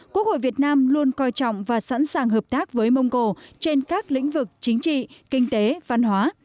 quốc hội việt nam luôn coi trọng và sẵn sàng hợp tác với mông cổ trên các lĩnh vực chính trị kinh tế văn hóa